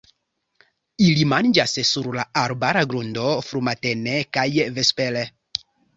Ili manĝas sur la arbara grundo frumatene kaj vespere.